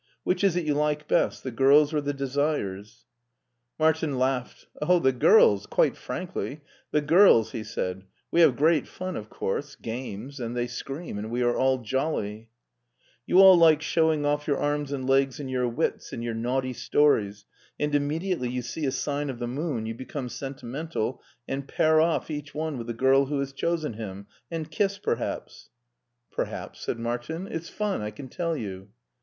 Which is it you like best— the girls or the desires ?"^ Martin laughed. "Oh, the girls; quite frankly, the girls," he said. " We have great fun, of courses games — and they scream and we are all jolly/' " You all like showing off your arms and legs and your wits, and your naughty stories, and immediately you see a sign of the moon you become sentimental and pair off each one with the girl who has chosen him, and kiss perhaps." 24 MARTIN SCHULER " Perhaps," said Martin. '* It's fun, I can tell you."